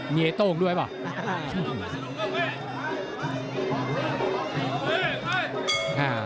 มีไอ้โต้งด้วยหรือเปล่า